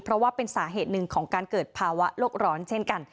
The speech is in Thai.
เพราะว่าเป็นสาเหตุหนึ่งของการเกิดภาวะโลกร้อนเช่นกัน